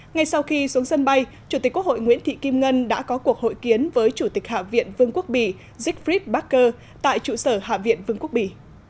ngay sau khi xuống sân bay chủ tịch quốc hội nguyễn thị kim ngân đã có cuộc hội kiến với chủ tịch hạ viện vương quốc bỉ sigfried bacher tại trụ sở hạ viện vương quốc bỉ